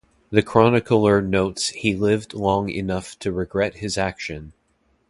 The chronicler notes he lived long enough to regret his action.